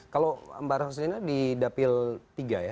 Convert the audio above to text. kalau mbak rasullina di dapil tiga ya